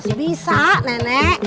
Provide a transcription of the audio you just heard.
masih bisa nenek